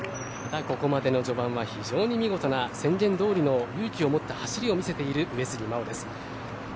ただ、ここまでの序盤は非常に見事な宣言通りの勇気を持った走りを見せている上杉真穂です。